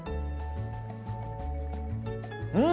うん！